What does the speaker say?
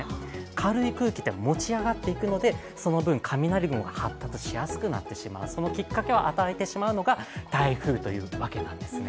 軽い空気は持ち上がっていくので、その分、雷雲が発達しやすくなってしまう、そのきっかけを与えてしまうのが台風というわけなんですね。